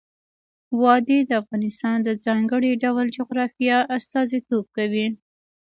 وادي د افغانستان د ځانګړي ډول جغرافیه استازیتوب کوي.